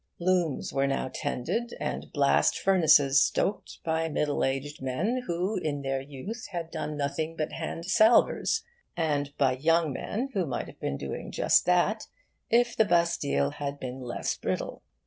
Looms were now tended, and blast furnaces stoked, by middle aged men who in their youth had done nothing but hand salvers, and by young men who might have been doing just that if the Bastille had been less brittle.